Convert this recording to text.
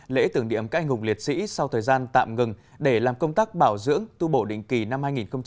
lễ tưởng niệm các anh hùng liệt sĩ sau thời gian tạm ngừng để làm công tác bảo dưỡng tu bổ định kỳ năm hai nghìn hai mươi